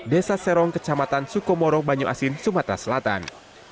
desa serong kecamatan sukomoro banyu asin sumatera selatan